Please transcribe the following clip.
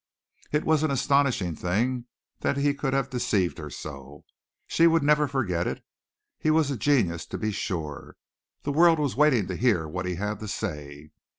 It was an astonishing thing that he could have deceived her so. She would never forget it. He was a genius to be sure. The world was waiting to hear what he had to say.